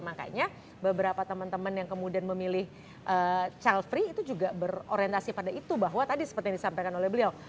makanya beberapa teman teman yang kemudian memilih chilfrey itu juga berorientasi pada itu bahwa tadi seperti yang disampaikan oleh beliau